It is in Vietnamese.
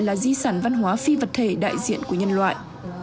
là di sản văn hóa phi vật thể đại diện của nhân loại